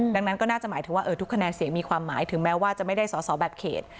ดังนั้นก็น่าจะหมายถึงว่าทุกคะแนนเสียงมีความหมายถึงแม้ว่าจะไม่ได้สอสอแบบเขต